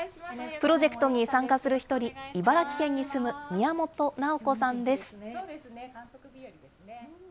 プロジェクトに参加する一人、茨城県に住む宮本奈央子さんです。